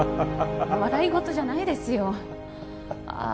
笑い事じゃないですよああ